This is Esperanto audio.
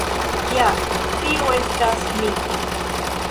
Ja, tiu estas mi.